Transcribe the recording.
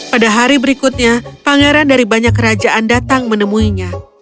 pada hari berikutnya pangeran dari banyak kerajaan datang menemuinya